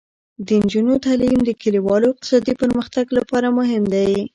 د نجونو تعلیم د کلیوالو اقتصادي پرمختګ لپاره مهم دی.